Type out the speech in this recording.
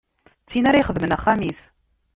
D tin ara ixedmen axxam-is.